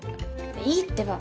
いいってば。